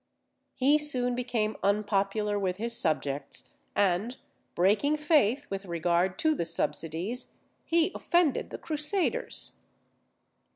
He soon became unpopular with his subjects; and breaking faith with regard to the subsidies, he offended the Crusaders.